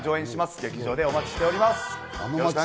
劇場でお待ちしています。